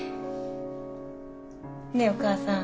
ねえお母さん。